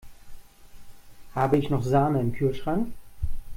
Habe ich noch Sahne im Kühlschrank?